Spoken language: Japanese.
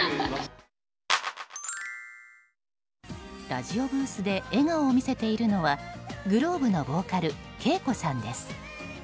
ラジオブースで笑顔を見せているのはｇｌｏｂｅのボーカルＫＥＩＫＯさんです。